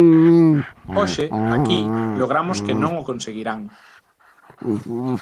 Hoxe, aquí, logramos que non o conseguirán.